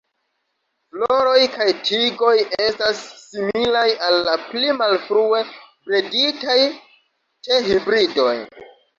Floroj kaj tigoj estas similaj al la pli malfrue breditaj te-hibridoj.